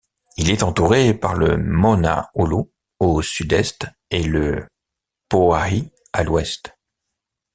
Il est entouré par le Mauna Ulu au sud-est et le Pauahi à l'ouest.